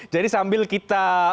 jadi sambil kita